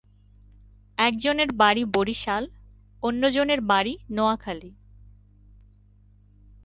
একজনের বাড়ি বরিশাল অন্য জনের বাড়ি নোয়াখালী।